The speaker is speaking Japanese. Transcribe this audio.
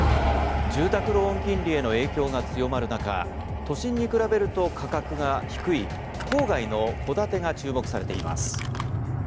住宅ローン金利への影響が強まる中都心に比べると価格が低い郊外の戸建てが注目されています。